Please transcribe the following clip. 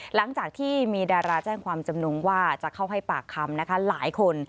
หลังจากที่มีดาราแจ้งความจำนงว่าจะเข้าให้ปากคำนะคะหลายคน